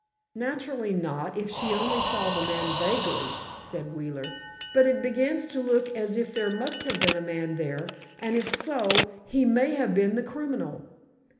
"Naturally not, if she only saw the man vaguely," said Wheeler. "But, it begins to look as if there must have been a man there and if so, he may have been the criminal."